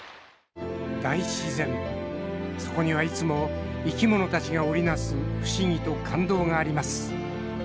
「大自然そこにはいつも生きものたちが織り成す不思議と感動があります」。